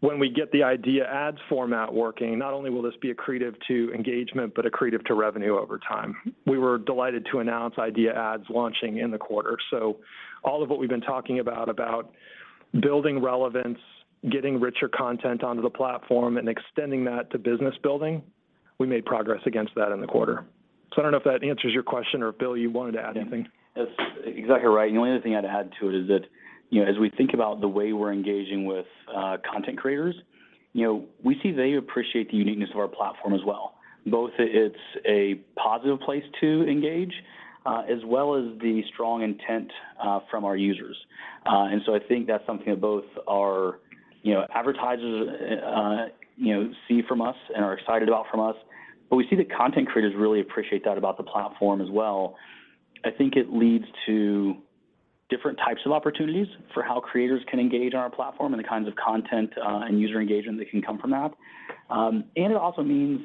when we get the Idea Ads format working, not only will this be accretive to engagement, but accretive to revenue over time. We were delighted to announce Idea Ads launching in the quarter. All of what we've been talking about building relevance, getting richer content onto the platform, and extending that to business building, we made progress against that in the quarter. I don't know if that answers your question or, Bill, you wanted to add anything.
That's exactly right, and the only thing I'd add to it is that, you know, as we think about the way we're engaging with content creators, you know, we see they appreciate the uniqueness of our platform as well. Both it's a positive place to engage as well as the strong intent from our users. I think that's something that both our, you know, advertisers, you know, see from us and are excited about from us, but we see the content creators really appreciate that about the platform as well. I think it leads to different types of opportunities for how creators can engage on our platform and the kinds of content and user engagement that can come from that. It also means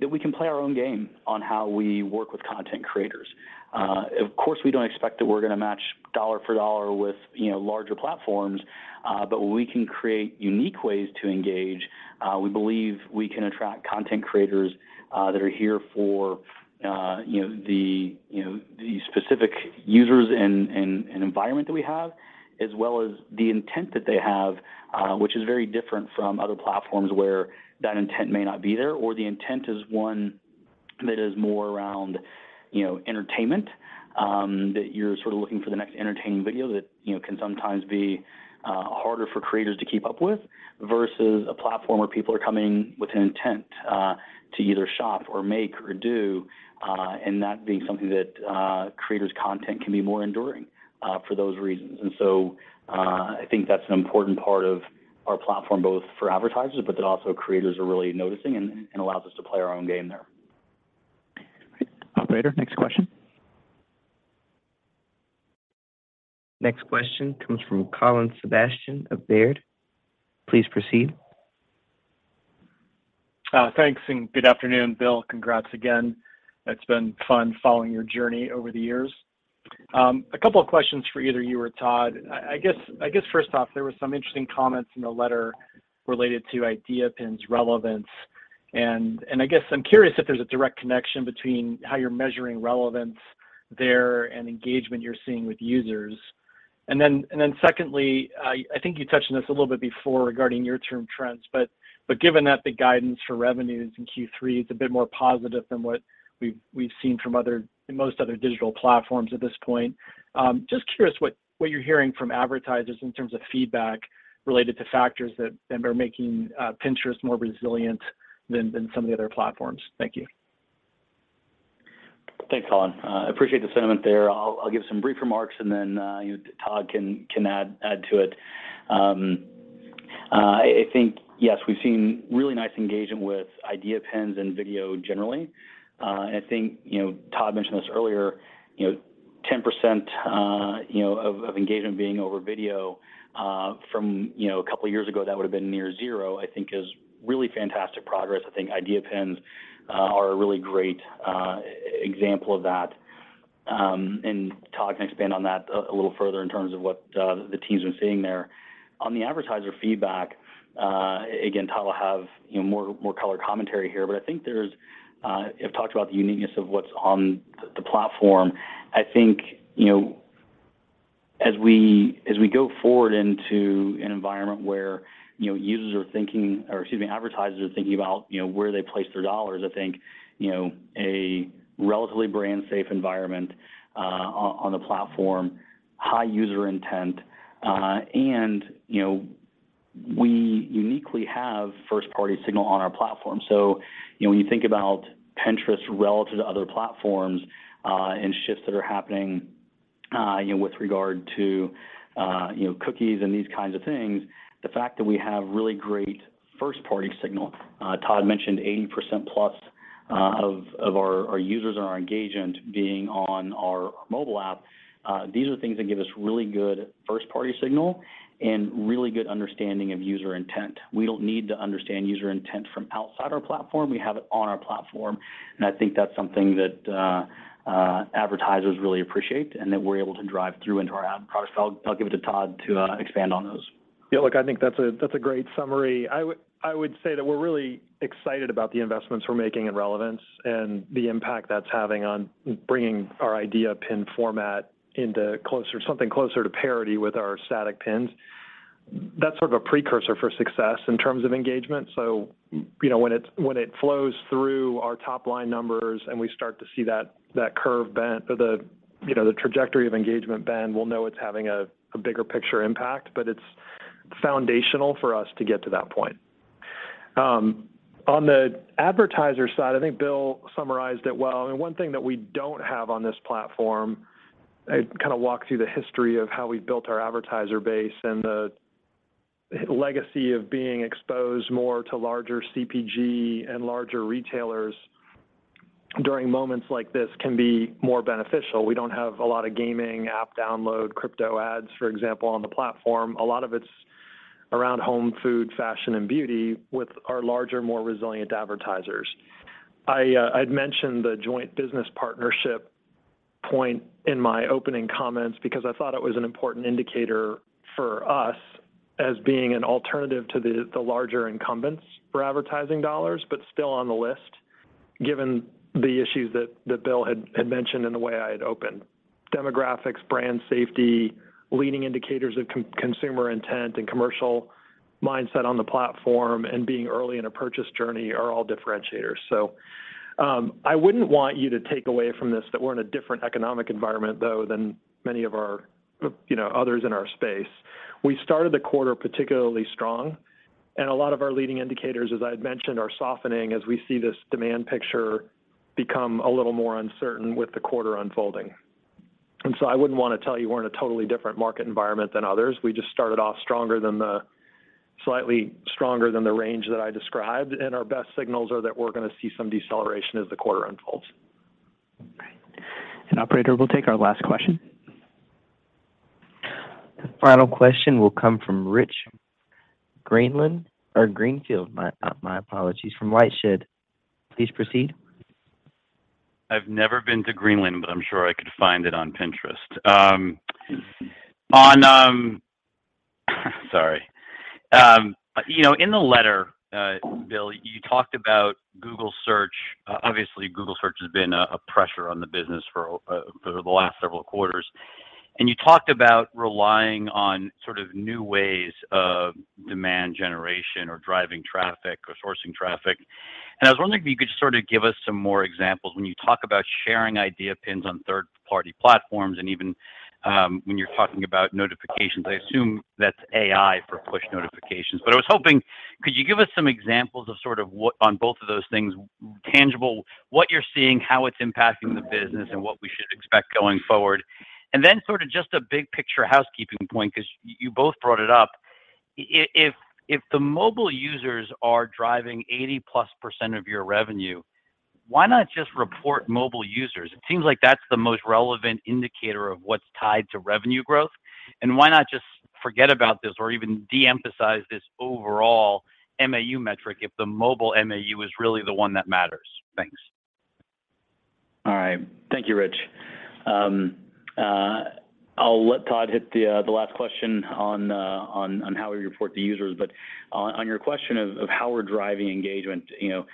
that we can play our own game on how we work with content creators. Of course, we don't expect that we're gonna match dollar for dollar with, you know, larger platforms, but we can create unique ways to engage. We believe we can attract content creators that are here for, you know, the specific users and environment that we have, as well as the intent that they have, which is very different from other platforms where that intent may not be there, or the intent is one that is more around, you know, entertainment, that you're sort of looking for the next entertaining video that, you know, can sometimes be harder for creators to keep up with versus a platform where people are coming with an intent to either shop or make or do, and that being something that creators' content can be more enduring for those reasons. I think that's an important part of our platform both for advertisers but that also creators are really noticing and allows us to play our own game there.
Operator, next question.
Next question comes from Colin Sebastian of Baird. Please proceed.
Thanks and good afternoon, Bill. Congrats again. It's been fun following your journey over the years. A couple of questions for either you or Todd. I guess first off, there were some interesting comments in the letter related to Idea Pins relevance and I guess I'm curious if there's a direct connection between how you're measuring relevance there and engagement you're seeing with users. Then secondly, I think you touched on this a little bit before regarding near-term trends, but given that the guidance for revenues in Q3 is a bit more positive than what we've seen from other, most other digital platforms at this point, just curious what you're hearing from advertisers in terms of feedback related to factors that are making Pinterest more resilient than some of the other platforms. Thank you.
Thanks, Colin. Appreciate the sentiment there. I'll give some brief remarks, and then you know, Todd can add to it. I think yes, we've seen really nice engagement with Idea Pins and video generally. I think you know, Todd mentioned this earlier, you know, 10% of engagement being over video from a couple years ago, that would have been near zero, I think is really fantastic progress. I think Idea Pins are a really great example of that. Todd can expand on that a little further in terms of what the teams are seeing there. On the advertiser feedback, again, Todd will have more colored commentary here, but I think there's. I've talked about the uniqueness of what's on the platform. I think, you know, as we go forward into an environment where, you know, users are thinking or, excuse me, advertisers are thinking about, you know, where they place their dollars, I think, you know, a relatively brand safe environment on the platform, high user intent, and, you know, we uniquely have first party signal on our platform. You know when you think about Pinterest relative to other platforms and shifts that are happening, you know, with regard to, you know, cookies and these kinds of things, the fact that we have really great first party signal. Todd mentioned 80% plus of our users and our engagement being on our mobile app. These are things that give us really good first party signal and really good understanding of user intent. We don't need to understand user intent from outside our platform. We have it on our platform, and I think that's something that advertisers really appreciate and that we're able to drive through into our ad products. I'll give it to Todd to expand on those.
Yeah, look, I think that's a great summary. I would say that we're really excited about the investments we're making in relevance and the impact that's having on bringing our Idea Pin format into something closer to parity with our static pins. That's sort of a precursor for success in terms of engagement. You know, when it flows through our top line numbers and we start to see that curve bent or the trajectory of engagement bend, we'll know it's having a bigger picture impact, but it's foundational for us to get to that point. On the advertiser side, I think Bill summarized it well. I mean, one thing that we don't have on this platform. I kind of walk through the history of how we built our advertiser base and the legacy of being exposed more to larger CPG and larger retailers during moments like this can be more beneficial. We don't have a lot of gaming app download, crypto ads, for example, on the platform. A lot of it's around home, food, fashion, and beauty with our larger, more resilient advertisers. I'd mentioned the joint business partnership point in my opening comments because I thought it was an important indicator for us as being an alternative to the larger incumbents for advertising dollars, but still on the list, given the issues that Bill had mentioned in the way I had opened. Demographics, brand safety, leading indicators of consumer intent and commercial mindset on the platform and being early in a purchase journey are all differentiators. I wouldn't want you to take away from this that we're in a different economic environment though than many of our, you know, others in our space. We started the quarter particularly strong, and a lot of our leading indicators, as I had mentioned, are softening as we see this demand picture become a little more uncertain with the quarter unfolding. I wouldn't want to tell you we're in a totally different market environment than others. We just started off slightly stronger than the range that I described, and our best signals are that we're gonna see some deceleration as the quarter unfolds.
Operator, we'll take our last question.
The final question will come from Rich Greenfield, my apologies, from LightShed. Please proceed.
I've never been to Greenland, but I'm sure I could find it on Pinterest. You know, in the letter, Bill, you talked about Google Search. Obviously Google Search has been a pressure on the business for the last several quarters, and you talked about relying on sort of new ways of demand generation or driving traffic or sourcing traffic. I was wondering if you could sort of give us some more examples. When you talk about sharing Idea Pins on third-party platforms and even when you're talking about notifications, I assume that's AI for push notifications. I was hoping, could you give us some examples of sort of what on both of those things tangible, what you're seeing, how it's impacting the business and what we should expect going forward? Sort of just a big picture housekeeping point because you both brought it up. If the mobile users are driving 80%+ of your revenue, why not just report mobile users? It seems like that's the most relevant indicator of what's tied to revenue growth, and why not just forget about this or even de-emphasize this overall MAU metric if the mobile MAU is really the one that matters? Thanks.
All right. Thank you, Rich. I'll let Todd hit the last question on how we report the users. On your question of how we're driving engagement, you know,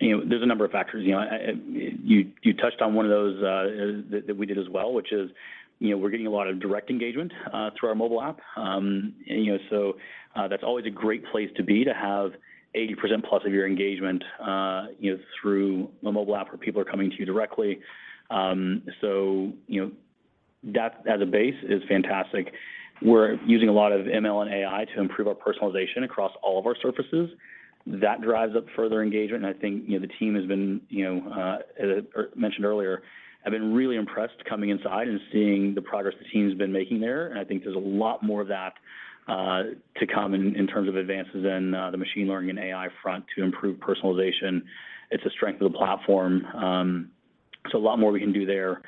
there's a number of factors. You know, you touched on one of those that we did as well, which is, you know, we're getting a lot of direct engagement through our mobile app. You know, that's always a great place to be to have 80% plus of your engagement, you know, through a mobile app where people are coming to you directly. You know, that as a base is fantastic. We're using a lot of ML and AI to improve our personalization across all of our surfaces. That drives up further engagement and I think, you know, the team has been, you know, as mentioned earlier, have been really impressed coming inside and seeing the progress the team's been making there, and I think there's a lot more of that to come in terms of advances in the machine learning and AI front to improve personalization. It's a strength of the platform. So a lot more we can do there.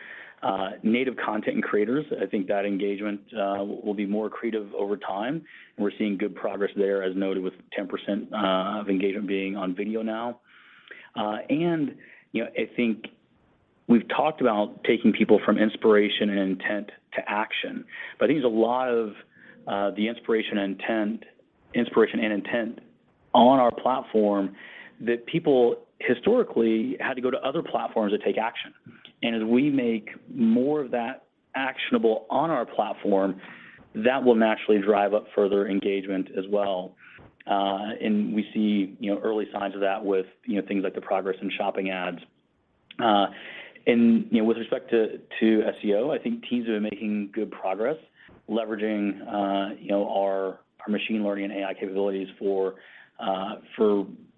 Native content and creators, I think that engagement will be more creative over time, and we're seeing good progress there as noted with 10% of engagement being on video now. You know, I think we've talked about taking people from inspiration and intent to action, but I think there's a lot of the inspiration and intent on our platform that people historically had to go to other platforms to take action. As we make more of that actionable on our platform, that will naturally drive up further engagement as well. We see, you know, early signs of that with, you know, things like the progress in shopping ads. With respect to SEO, I think teams are making good progress leveraging, you know, our machine learning and AI capabilities for,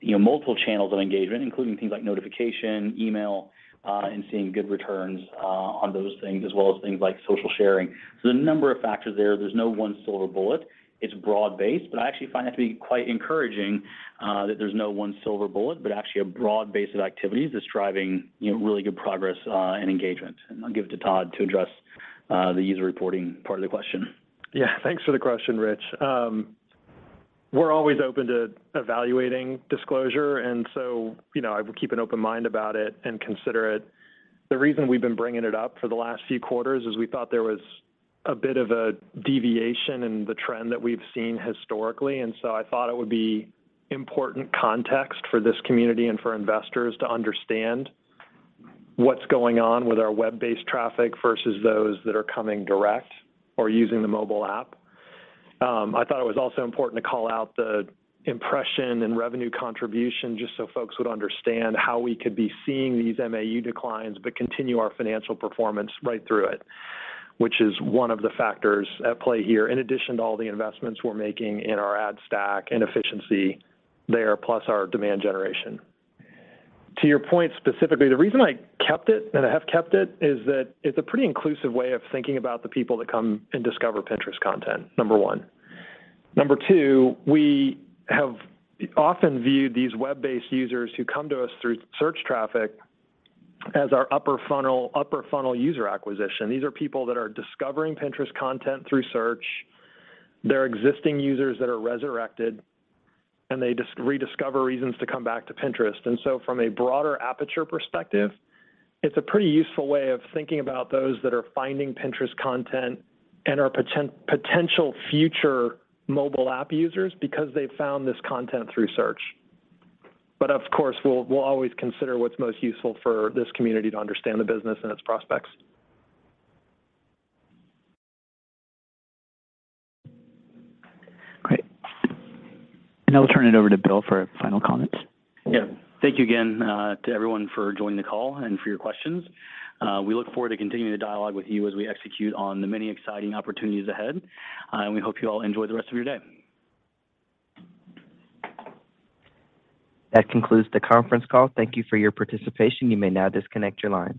you know, multiple channels of engagement, including things like notification, email, and seeing good returns on those things, as well as things like social sharing. There's a number of factors there. There's no one silver bullet. It's broad-based, but I actually find that to be quite encouraging, that there's no one silver bullet, but actually a broad base of activities that's driving, you know, really good progress, and engagement. I'll give it to Todd to address the user reporting part of the question.
Yeah. Thanks for the question, Rich. We're always open to evaluating disclosure, and so, you know, I will keep an open mind about it and consider it. The reason we've been bringing it up for the last few quarters is we thought there was a bit of a deviation in the trend that we've seen historically. I thought it would be important context for this community and for investors to understand what's going on with our web-based traffic versus those that are coming direct or using the mobile app. I thought it was also important to call out the impression and revenue contribution just so folks would understand how we could be seeing these MAU declines but continue our financial performance right through it, which is one of the factors at play here, in addition to all the investments we're making in our ad stack and efficiency there, plus our demand generation. To your point specifically, the reason I kept it, and I have kept it, is that it's a pretty inclusive way of thinking about the people that come and discover Pinterest content, number one. Number two, we have often viewed these web-based users who come to us through search traffic as our upper funnel, upper funnel user acquisition. These are people that are discovering Pinterest content through search. They're existing users that are resurrected, and they rediscover reasons to come back to Pinterest. From a broader aperture perspective, it's a pretty useful way of thinking about those that are finding Pinterest content and are potential future mobile app users because they've found this content through search. Of course, we'll always consider what's most useful for this community to understand the business and its prospects.
Great. I'll turn it over to Bill for final comments.
Yeah. Thank you again to everyone for joining the call and for your questions. We look forward to continuing to dialogue with you as we execute on the many exciting opportunities ahead, and we hope you all enjoy the rest of your day.
That concludes the conference call. Thank you for your participation. You may now disconnect your lines.